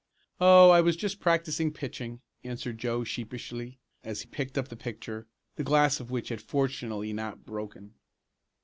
"Oh, I was just practicing pitching," answered Joe sheepishly, as he picked up the picture, the glass of which had fortunately not broken.